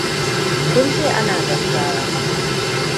Kun ce ana gaggawa.